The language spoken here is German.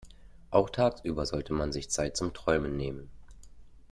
Auch tagsüber sollte man sich Zeit zum Träumen nehmen.